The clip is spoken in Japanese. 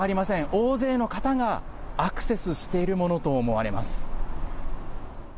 大勢の方がアクセスしているものと思われます。